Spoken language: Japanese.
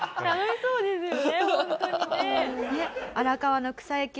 そうですね。